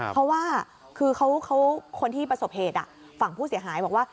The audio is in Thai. เพราะว่าคือคนที่ประสบเหตุฝั่งผู้เสียหายบอกว่า